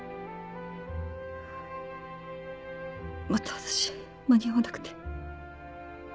また私間に合わなくて。